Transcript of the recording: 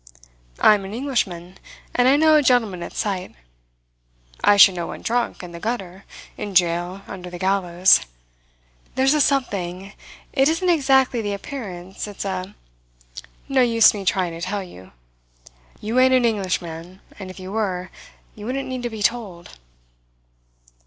I am an Englishman, and I know a gentleman at sight. I should know one drunk, in the gutter, in jail, under the gallows. There's a something it isn't exactly the appearance, it's a no use me trying to tell you. You ain't an Englishman, and if you were, you wouldn't need to be told."